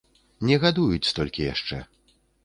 Не гадуюць столькі яшчэ.